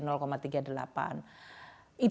itu yang matters buat masyarakat